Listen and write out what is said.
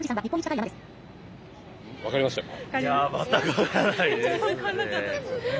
わかりましたか？